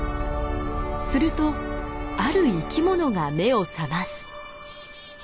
するとある生きものが目を覚ます。